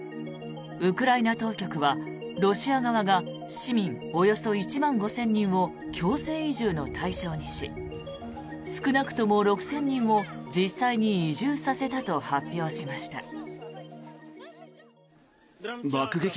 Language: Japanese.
ウクライナ当局は、ロシア側が市民およそ１万５０００人を強制移住の対象にし少なくとも６０００人を実際に移住させたと発表しました。